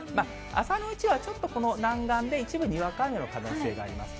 朝のうちはちょっとこの南岸で、一部にわか雨の可能性があります。